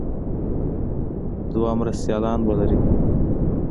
دوه مرستیالان به لري.